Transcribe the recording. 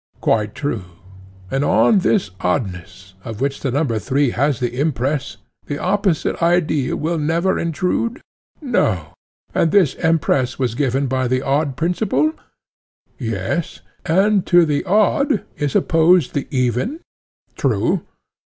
Quite true. And on this oddness, of which the number three has the impress, the opposite idea will never intrude? No. And this impress was given by the odd principle? Yes. And to the odd is opposed the even? True.